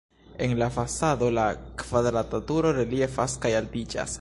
En la fasado la kvadrata turo reliefas kaj altiĝas.